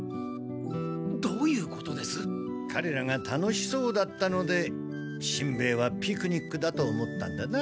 かれらが楽しそうだったのでしんべヱはピクニックだと思ったんだな。